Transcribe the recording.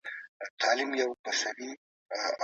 ټولنیز نظام باید د خلګو په ګټه وي.